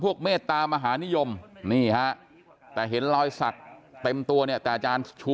เมตตามหานิยมนี่ฮะแต่เห็นรอยสักเต็มตัวเนี่ยแต่อาจารย์ชู